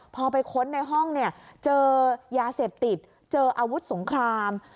พอไปค้นในห้องเนี่ยเจอยาเสพติดเจออาวุธสงคราม